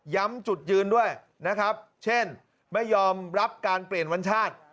จุดยืนด้วยนะครับเช่นไม่ยอมรับการเปลี่ยนวัญชาติ